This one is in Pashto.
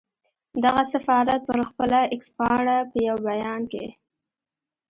دغه سفارت پر خپله اېکس پاڼه په یو بیان کې